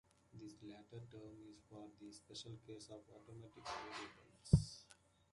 This latter term is for the special case of automatic variables.